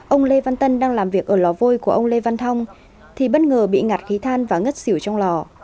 ông lê văn tân đang làm việc ở lò vôi của ông lê văn thông thì bất ngờ bị ngạt khí than và ngất xỉu trong lò